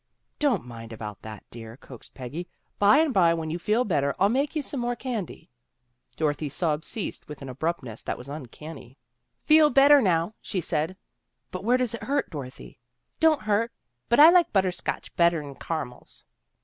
" Don't mind about that, dear," coaxed Peggy. " By and by, when you feel better, I'll make you some more candy." Dorothy's sobs ceased with an abruptness that was uncanny. " Feel better now," she said. " But where does it hurt, Dorothy? "" Don't hurt. But I like butter scotch better'n car'mels."